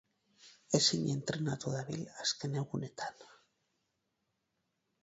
Ezin entrenatu dabil azken egunetan.